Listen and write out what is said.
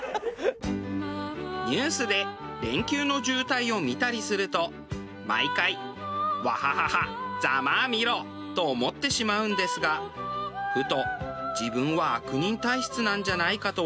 ニュースで連休の渋滞を見たりすると毎回「わはははざまあみろ！」と思ってしまうんですがふと自分は悪人体質なんじゃないかと思いました。